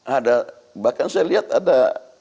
ada bahkan saya lihat ada